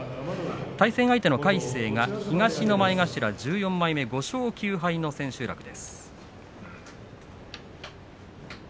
対戦相手の魁聖東の前頭１４枚目５勝９敗の千秋楽です。